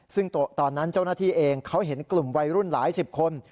ซึ่งตอนนั้นเจ้าหน้าที่เองเขาเห็นกลุ่มวัยรุ่นหลายสิบคน